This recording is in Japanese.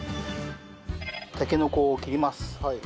たけのこを切ります。